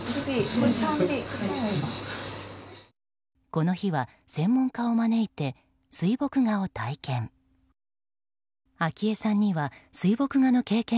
この日は専門家を招いて水墨画を体験。